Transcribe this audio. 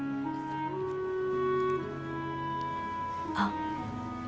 あっ。